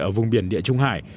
ở vùng biển địa trung hải